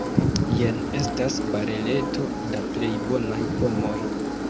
Jen estas bareleto da plej bonaj pomoj.